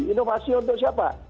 inovasi untuk siapa